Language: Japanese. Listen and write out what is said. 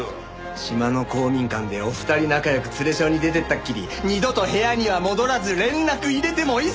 島の公民館でお二人仲良く連れションに出てったきり二度と部屋には戻らず連絡入れても一切無視！